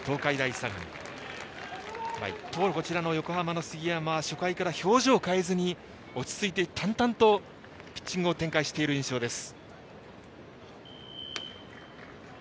一方、横浜の杉山は初回から表情を変えずに落ち着いて淡々とピッチングを展開している印象です。